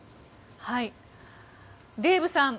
デーブさん